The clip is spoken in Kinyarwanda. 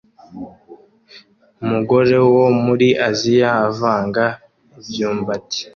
Umugore wo muri Aziya avanga imyumbati